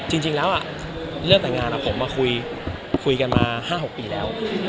จริงจริงแล้วอ่ะเรื่องแต่งงานอ่ะผมมาคุยคุยกันมาห้าหกปีแล้ว